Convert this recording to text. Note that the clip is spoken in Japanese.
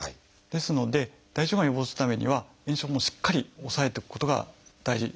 ですので大腸がんを予防するためには炎症もしっかり抑えていくことが大事。